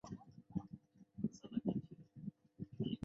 经过兰斯白房站的所有列车均经过兰斯站。